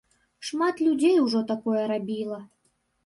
Шмат людзей ужо такое рабіла.